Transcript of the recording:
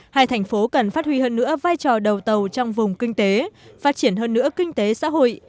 hai thành phố cần phát huy hơn nữa vai trò đầu tàu trong vùng kinh tế phát triển hơn nữa kinh tế xã hội